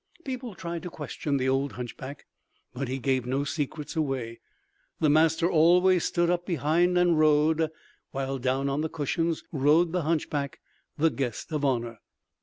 People tried to question the old hunchback, but he gave no secrets away. The master always stood up behind and rowed; while down on the cushions rode the hunchback, the guest of honor.